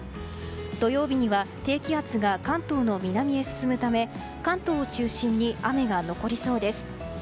土曜日には低気圧が関東の南へ進むため関東を中心に雨が残りそうです。